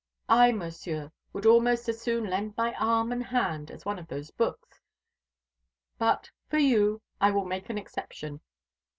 I, Monsieur, would almost as soon lend my arm and hand as one of those books; but for you I will make an exception.